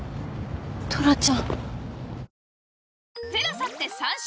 トラちゃん！